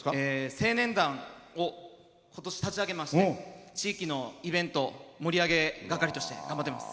青年団をことし立ち上げまして地域のイベント盛り上げ係として頑張ってます。